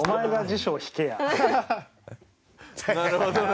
なるほどね。